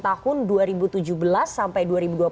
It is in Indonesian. tahun dua ribu tujuh belas sampai dua ribu dua puluh